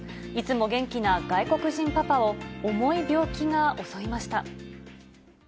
いつも元気な外国人パパを、重い病気が襲いました。